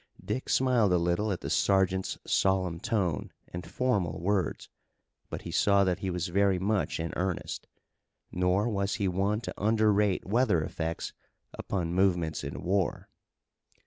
Dick smiled a little at the sergeant's solemn tone, and formal words, but he saw that he was very much in earnest. Nor was he one to underrate weather effects upon movements in war.